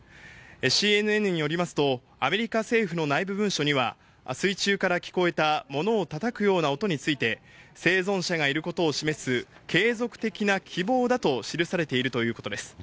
ＣＮＮによりますと、アメリカ政府の内部文書には、水中から聞こえた物をたたくような音について、生存者がいることを示す継続的な希望だと記されているということです。